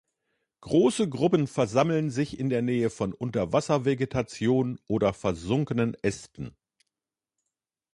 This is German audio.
Große Gruppen versammeln sich in der Nähe von Unterwasservegetation oder versunkenen Ästen.